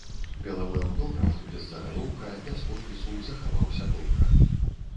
Белавы аўтограф без загалоўка, без подпісу, захаваўся добра.